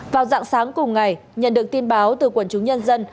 vào dạng sáng cùng ngày nhận được tin báo từ quần chúng nhân dân